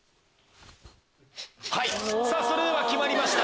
それでは決まりました